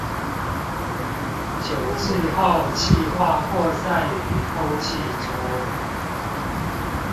久置後汽化擴散於空氣中